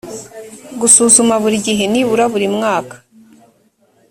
gusuzuma buri gihe nibura buri mwaka